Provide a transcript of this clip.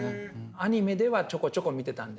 アニメではちょこちょこ見てたんですよ。